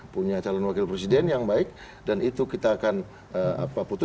punya calon wakil presiden yang baik dan itu kita akan putuskan pada saatnya gitu